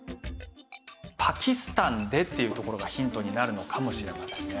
「パキスタンで」っていうところがヒントになるのかもしれませんね。